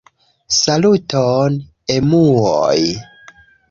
Saluton, emuoj!